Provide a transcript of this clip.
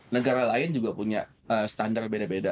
negara lain juga punya standar beda beda